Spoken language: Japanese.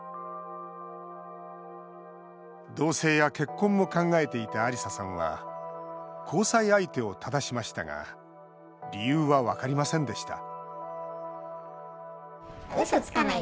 同せいや結婚も考えていたアリサさんは交際相手をただしましたが理由は分かりませんでした